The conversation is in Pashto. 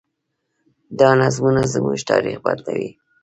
دا نظمونه زموږ تاریخ بدلوي.